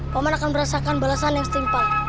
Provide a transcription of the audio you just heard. paman akan merasakan balasan yang setimpal